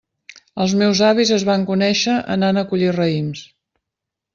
Els meus avis es van conèixer anant a collir raïms.